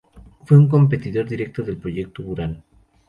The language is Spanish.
Fue un competidor directo del proyecto Buran.